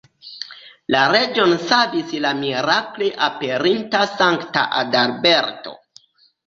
La reĝon savis la mirakle aperinta sankta Adalberto.